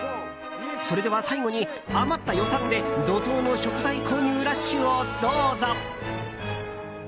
それでは最後に余った予算で怒涛の食材購入ラッシュをどうぞ。